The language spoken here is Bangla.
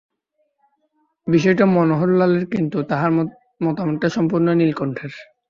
বিষয়টা মনোহরলালের কিন্তু তাহার মমতাটা সম্পূর্ণ নীলকণ্ঠের।